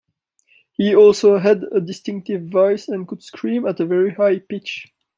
He also had a distinctive voice and could scream at a very high pitch.